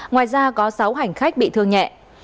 ngoài ra có sáu hành khách bị thương nhẹ